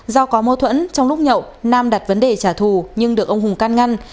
do có mâu thuẫn trong lúc nhậu nam đặt vấn đề trả thù nhưng được ông hùng can ngăn